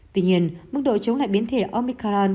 tuy nhiên mức độ chống lại biến thể omicron